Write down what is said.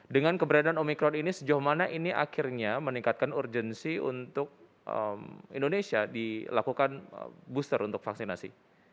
dengan keberadaan omikron ini sejauh mana ini akhirnya meningkatkan urgensi untuk indonesia dilakukan booster untuk vaksinasi